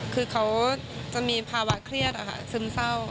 คือเขาจะมีภาวะเครียดซึมเศร้า